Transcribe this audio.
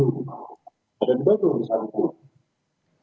itu buat suatu kejadian pada saat itu tanggal dua puluh tujuh agustus